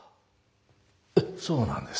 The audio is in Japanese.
ええそうなんです。